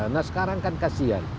nah sekarang kan kasihan